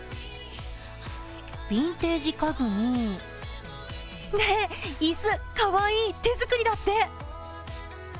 ヴィンテージ家具に、ね、椅子、かわいい、手作りだって。